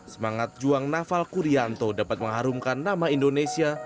semangat juang noval gurianto dapat mengharumkan nama indonesia